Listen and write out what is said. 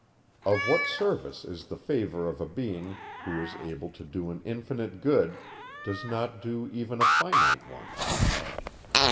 Of what service is the favour of a being, who, is able to do an infinite good, does not do even a finite one?